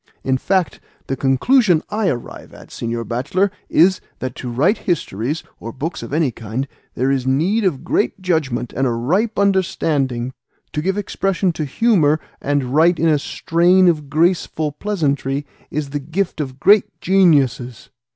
In fact, the conclusion I arrive at, señor bachelor, is, that to write histories, or books of any kind, there is need of great judgment and a ripe understanding. To give expression to humour, and write in a strain of graceful pleasantry, is the gift of great geniuses.